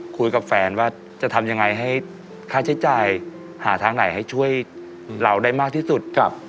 คุยกับแฟนว่าจะทำยังไงให้ค่าใช้จ่ายหาทางไหนให้ช่วยเราได้มากที่สุด